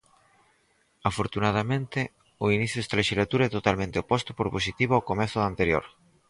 Afortunadamente, o inicio desta lexislatura é totalmente oposto por positivo ao comezo da anterior.